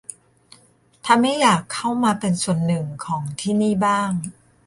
ทำให้อยากเข้ามาเป็นส่วนหนึ่งของที่นี่บ้าง